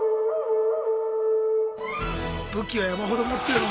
武器は山ほど持ってるもんね。